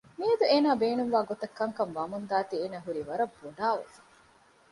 މިއަދު އޭނާ ބޭނުންވާ ގޮތަށް ކަންކަން ވަމުންދާތީ އޭނާ ހުރީ ވަރަށް ބޮޑާވެފަ